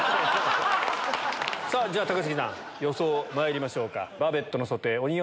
さぁ高杉さん予想まいりましょうか。